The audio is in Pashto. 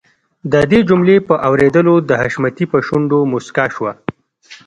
د دې جملې په اورېدلو د حشمتي په شونډو مسکا شوه.